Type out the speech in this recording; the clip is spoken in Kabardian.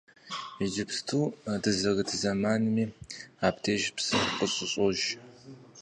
Иджыпсту дызэрыт зэманми абдеж псы къыщыщӏож.